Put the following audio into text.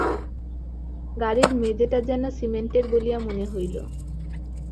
গাড়ির মেজেটা যেন সিমেন্টের বলিয়া মনে হইল।